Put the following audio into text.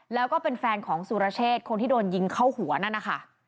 แล้วก็เป็นแฟนของสุรเชษคนที่โดนยิงเข้าหัวนั่นนะคะ